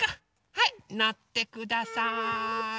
はいのってください。